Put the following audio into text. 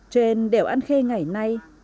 trên đèo an khê ngày nay